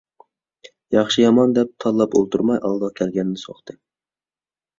ياخشى - يامان دەپ تاللاپ ئولتۇرماي ئالدىغا كەلگەننى سوقتى.